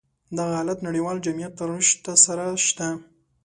دغه حالت نړيوال جميعت رشد سره شته.